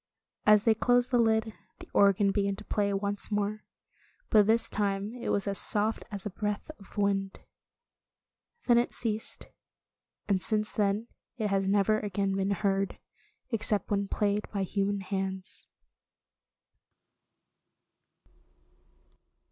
As they closed the lid, the organ began to play once more. But this time it was as soft as a breath of wind. Then it ceased, and since then it has never again been heard, except when played by human hands.